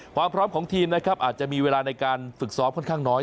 ความพร้อมของทีมนะครับอาจจะมีเวลาในการฝึกซ้อมค่อนข้างน้อย